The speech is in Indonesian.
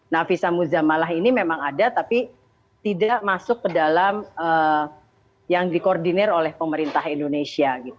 nah visa muzamalah ini memang ada tapi tidak masuk ke dalam yang dikoordinir oleh pemerintah indonesia